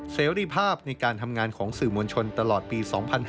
เสรีภาพในการทำงานของสื่อมวลชนตลอดปี๒๕๕๙